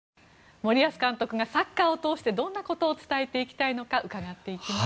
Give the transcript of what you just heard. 森保監督がサッカーを通してどんなことを伝えていきたいのか伺っていきます。